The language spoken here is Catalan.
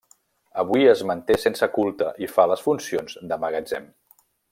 Avui es manté sense culte i fa les funcions de magatzem.